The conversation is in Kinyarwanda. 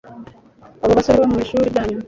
abo basore bo mwishuri ryanyu